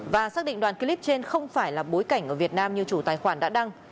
và xác định đoàn clip trên không phải là bối cảnh ở việt nam như chủ tài khoản đã đăng